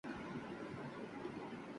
جان ہے تو جہان ہے